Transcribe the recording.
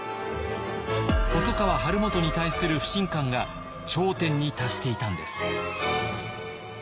細川晴元に対する不信感が頂点に達していたんです。